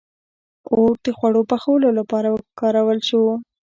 • اور د خوړو پخولو لپاره وکارول شو.